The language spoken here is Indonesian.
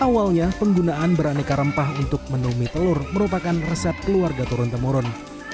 awalnya penggunaan beraneka rempah untuk menu mie telur merupakan resep keluarga turun temurun